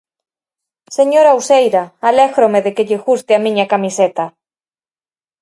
Señora Uceira, alégrome de que lle guste a miña camiseta.